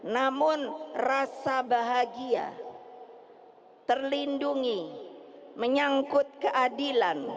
namun rasa bahagia terlindungi menyangkut keadilan pekerjaan yang layak